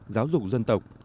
giáo dục dân tộc